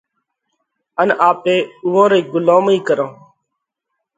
ان آپي اُوئون رئي ڳُلومئِي ڪرونه۔